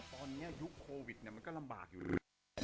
ตอนนี้ยุคโควิดมันก็ลำบากอยู่เลย